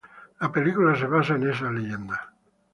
La película se basa en esta leyenda.